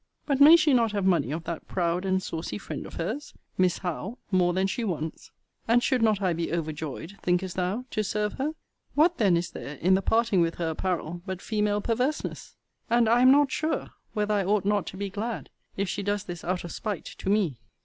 But may she not have money of that proud and saucy friend of her's, Miss Howe, more than she wants? And should not I be overjoyed, thinkest thou, to serve her? What then is there in the parting with her apparel but female perverseness? And I am not sure, whether I ought not to be glad, if she does this out of spite to me.